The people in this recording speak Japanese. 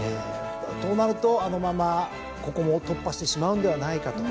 となるとあのままここも突破してしまうんではないかと。